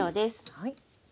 はい。